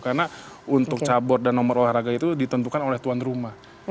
karena untuk cabur dan nomor olahraga itu ditentukan oleh tuan rumah